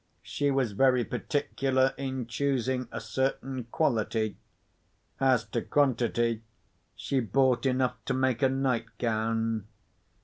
She was very particular in choosing a certain quality. As to quantity, she bought enough to make a nightgown."